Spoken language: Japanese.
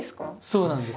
そうなんです。